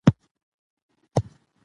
عدالت د ټولنیز همکارۍ ملاتړ کوي.